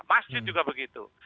masjid juga begitu